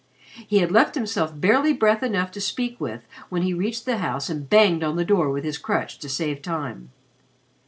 He had left himself barely breath enough to speak with when he reached the house and banged on the door with his crutch to save time.